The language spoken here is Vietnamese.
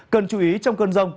cần chú ý trong cơn rông